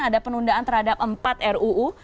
ada penundaan terhadap empat ruu